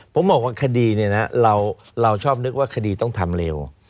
ผมบอกว่าคดีเนี่ยนะเราชอบนึกว่าคดีต้องทำเร็ว